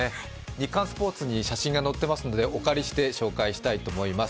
「日刊スポーツ」に写真が載っていますので、お借りして紹介したいと思います。